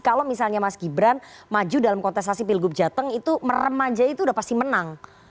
kalau misalnya mas gibran maju dalam kontestasi pilgub jateng itu meremaja itu udah pasti menang